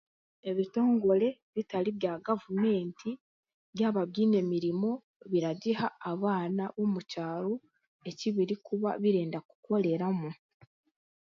Ebitongore ebitari bya gavumenti byaba biine emirimo biragiha abaana omu kyaro eki birikuba birenda kukoreramu.